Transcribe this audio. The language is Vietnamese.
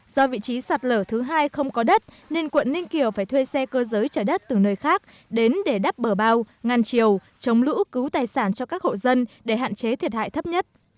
do vị trí sạt lở thứ hai không có đất nên quận ninh kiều phải thuê xe cơ giới trở đất từ nơi khác đến để đắp bờ bao ngăn chiều chống lũ cứu tài sản cho các hộ dân để hạn chế thiệt hại thấp nhất